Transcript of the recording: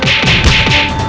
jangan menghasut rakyatmu